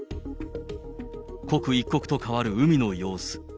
刻一刻と変わる海の様子。